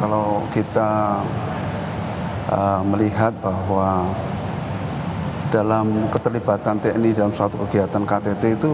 kalau kita melihat bahwa dalam keterlibatan tni dalam suatu kegiatan ktt itu